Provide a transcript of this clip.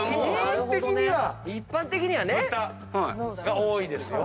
一般的には豚が多いですよ。